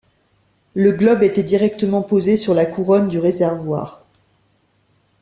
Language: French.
Le globe était directement posé sur la couronne du réservoir.